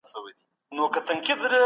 د مطالعې ذوق باید له کورنۍ څخه پیل سي.